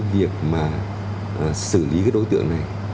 việc mà xử lý cái đối tượng này